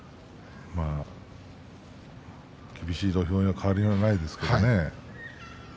厳しい土俵には変わりないですけどね。